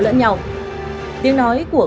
lỡ nhau tiếng nói của